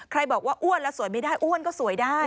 บอกว่าอ้วนแล้วสวยไม่ได้อ้วนก็สวยได้